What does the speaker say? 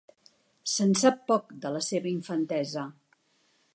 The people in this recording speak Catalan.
Se'n sap poc de la seva infantesa.